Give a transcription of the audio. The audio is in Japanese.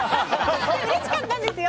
うれしかったんですよ。